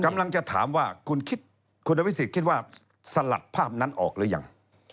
ผมกำลังจะถามว่าคุณคิดว่าสลัดภาพนั้นออกหรือยัง